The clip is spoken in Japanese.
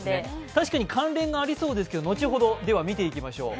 確かに関連がありそうですけど、後ほど、見ていきましょう。